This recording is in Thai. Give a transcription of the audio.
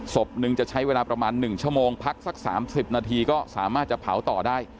ศพหนึ่งจะใช้เวลาประมาณ๑ชั่วโมงพักสัก๓๐นาทีก็สามารถจะเผาต่อได้